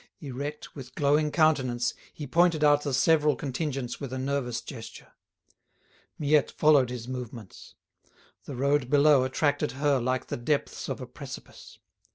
Erect, with glowing countenance, he pointed out the several contingents with a nervous gesture. Miette followed his movements. The road below attracted her like the depths of a precipice.